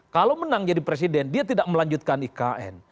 kalau menang jadi presiden dia tidak melanjutkan ikn